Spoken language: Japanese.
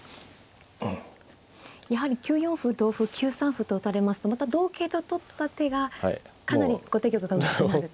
やはり９四歩同歩９三歩と打たれますとまた同桂と取った手がかなり後手玉が薄くなると。